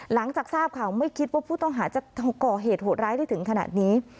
หลังจากทราบข่าวไม่คิดว่าผู้ต้องหาจะก่อเหตุโหดร้ายได้ถึงขนาดนี้